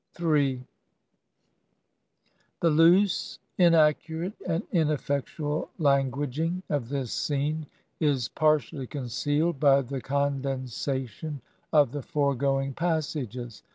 m The loose, inaccurate and ineffectual languaging of this scene is partially concealed by the condensation of the foregoing passages.